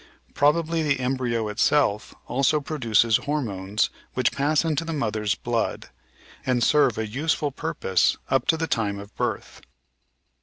Probably the embryo itself also produces hormones which pass into the mother's blood, and serve a useful purpose up to the time of birth.